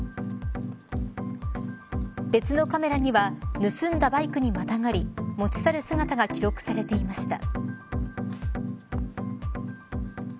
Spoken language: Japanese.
別のカメラには盗んだバイクにまたがり持ち去る姿が記録されていました。